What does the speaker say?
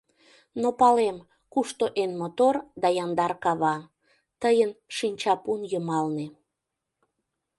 Но палем, кушто эн мотор да яндар кава — тыйын шинчапун йымалне.